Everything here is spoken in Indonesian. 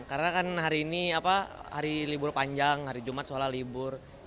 karena kan hari ini hari libur panjang hari jumat solah libur